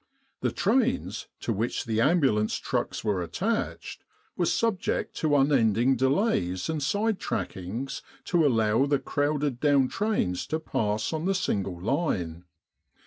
The trains, to which the ambulance trucks were attached, were subject to unending delays and side trackings to allow the crowded down trains to pass on the single line.